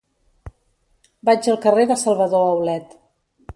Vaig al carrer de Salvador Aulet.